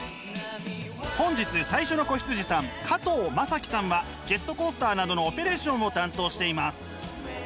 本日最初の子羊さん加藤正貴さんはジェットコースターなどのオペレーションを担当しています。